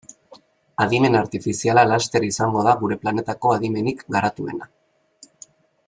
Adimen artifiziala laster izango da gure planetako adimenik garatuena.